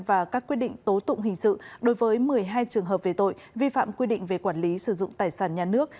và các quyết định tố tụng hình sự đối với một mươi hai trường hợp về tội vi phạm quy định về quản lý sử dụng tài sản nhà nước